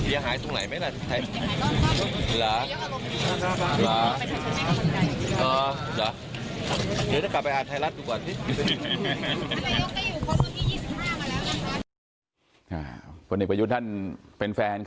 เอกประยุทธ์ท่านเป็นแฟนกัน